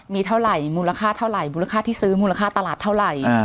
มีเท่าไหร่มูลค่าเท่าไหร่มูลค่าที่ซื้อมูลค่าตลาดเท่าไหร่